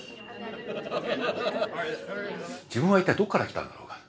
自分は一体どっから来たんだろうか？